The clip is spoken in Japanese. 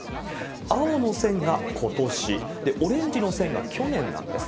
青の線がことし、オレンジの線が去年なんです。